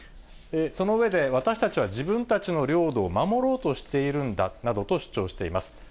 その上で、私たちは自分たちの領土を守ろうとしているんだなどと主張しています。